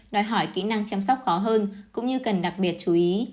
đòi hỏi kỹ năng chăm sóc khó hơn cũng như cần đặc biệt chú ý